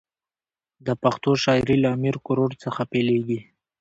د پښتو شاعري له امیر ګروړ څخه پیلېږي.